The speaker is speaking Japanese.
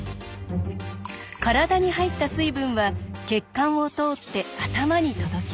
体に入った水分は血管を通って頭に届きます。